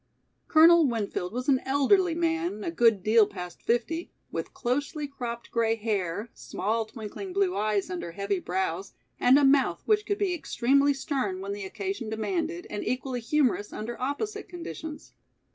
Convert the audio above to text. Colonel Winfield was an elderly man a good deal past fifty, with closely cropped grey hair, small twinkling blue eyes under heavy brows and a mouth which could be extremely stern when the occasion demanded and equally humorous under opposite conditions.